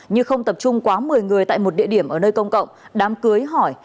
như không tập trung quá một mươi người tại một địa điểm ở nơi công cộng đám cưới hỏi